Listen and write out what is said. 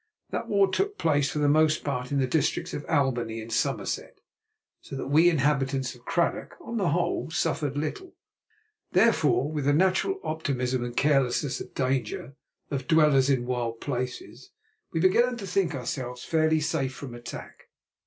That war took place for the most part in the districts of Albany and Somerset, so that we inhabitants of Cradock, on the whole, suffered little. Therefore, with the natural optimism and carelessness of danger of dwellers in wild places, we began to think ourselves fairly safe from attack.